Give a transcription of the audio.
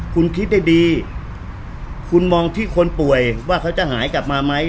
คุณคิดได้ดีคุณมองที่คนป่วยว่าเขาจะหายกลับมาไหม